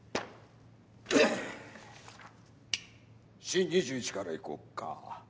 シーン２１からいこっか。